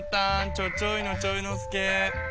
ちょちょいのちょいのすけ。